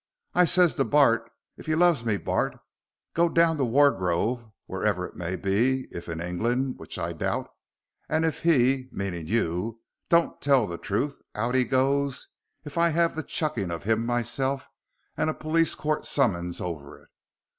I ses to Bart, if you loves me, Bart, go down to Wargrove, wherever it may be if in England, which I doubt and if he meaning you don't tell the truth, out he goes if I have the chucking of him myself and a police court summings over it.